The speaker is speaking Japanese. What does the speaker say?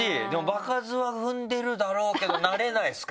場数は踏んでるだろうけど慣れないですか？